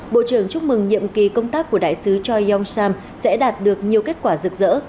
bộ trưởng chúc mừng nhiệm kỳ công tác của đại sứ choi yong sam sẽ đạt được nhiều kết quả rực rỡ